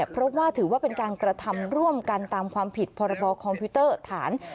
เพราะว่าถือว่าเป็นการกระทำร่วมกันตามความผิดพรบคอมพิวเตอร์ฐาน